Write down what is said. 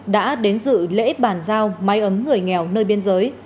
đã đến dự lễ bàn giao máy ấm người nghèo nơi biên giới